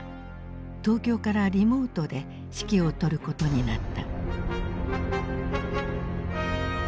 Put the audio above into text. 東京からリモートで指揮を執ることになった。